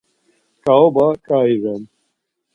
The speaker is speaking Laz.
Ǩaoba ǩai ren.